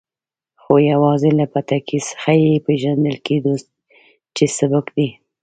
خو یوازې له پټکي څخه یې پېژندل کېدو چې سېک دی.